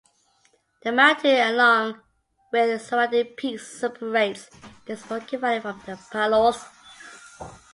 The mountain, along with surrounding peaks, separates the Spokane Valley from the Palouse.